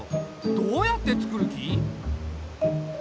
どうやってつくる気？